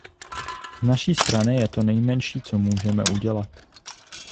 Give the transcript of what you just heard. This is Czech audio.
Z naší strany je to to nejmenší, co můžeme udělat.